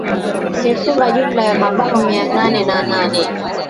amefunga jumla ya mabao mia nane na nane